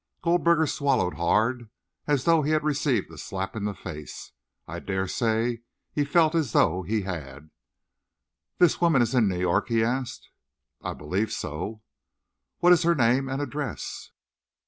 Goldberger swallowed hard, as though he had received a slap in the face. I dare say, he felt as though he had! "This woman is in New York?" he asked. "I believe so." "What is her name and address?"